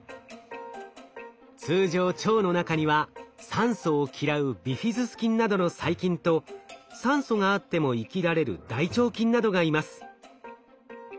通常腸の中には酸素を嫌うビフィズス菌などの細菌と酸素があっても生きられる大腸菌などがいます。